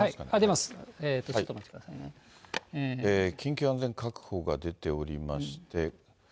出ます、緊急安全確保が出ておりまして。